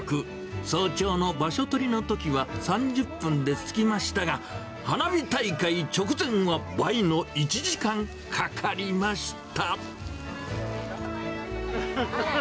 早朝の場所取りのときは３０分で着きましたが、花火大会直前は倍の１時間かかりました。